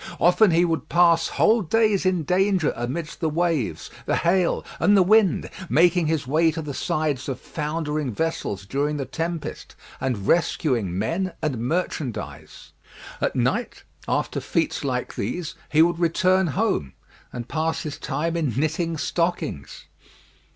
Often he would pass whole days in danger amidst the waves, the hail, and the wind, making his way to the sides of foundering vessels during the tempest, and rescuing men and merchandise. At night, after feats like these, he would return home, and pass his time in knitting stockings.